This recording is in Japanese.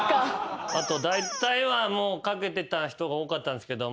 あとだいたいは描けてた人が多かったんですけど。